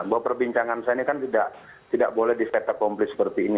bahwa perbincangan saya ini kan tidak boleh dispeta komplit seperti ini